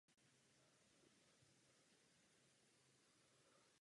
Týká se to Libanonu, Balkánu a dalších zamořených oblastí.